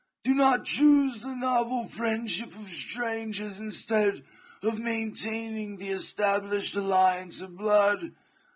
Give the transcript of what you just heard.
Do not choose the novel friendship of strangers instead of maintaining the established aUiance of blood.